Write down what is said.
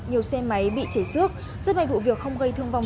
nhiều xe máy bị chảy xước sức mạnh vụ việc không gây thương vong